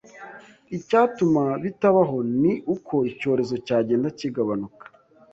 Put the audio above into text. Icyatuma bitabaho ni uko icyorezo cyagenda kigabanuka